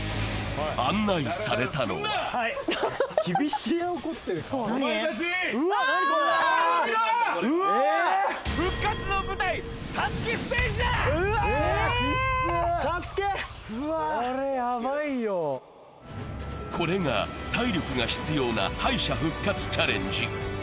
案内されたのはこれが体力が必要な敗者復活チャレンジ。